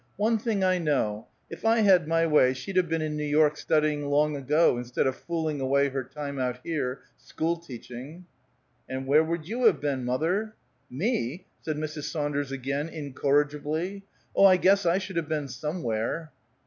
"One thing I know; if I had my way she'd have been in New York studying long ago, instead of fooling away her time out here, school teaching." "And where would you have been, mother?" "Me?" said Mrs. Saunders again, incorrigibly. "Oh, I guess I should have been somewhere!"